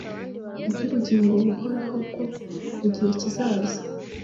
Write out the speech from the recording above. iby’ubugingo buhoraho bwo mu gihe kizaza